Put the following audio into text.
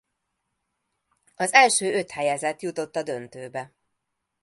Az első öt helyezett jutott a döntőbe.